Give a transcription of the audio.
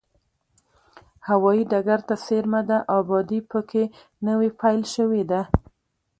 هوایي ډګر ته څېرمه ده، ابادي په کې نوې پیل شوې ده.